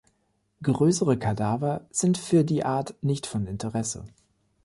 Größere Kadaver sind für die Art nicht von Interesse.